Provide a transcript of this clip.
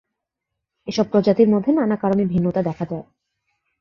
এসব প্রজাতির মধ্যে নানা কারণে ভিন্নতা দেখা যায়।